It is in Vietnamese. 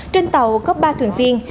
trên tàu có ba thuyền viên